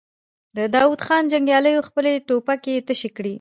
د داوود خان جنګياليو خپلې ټوپکې تشې کړې.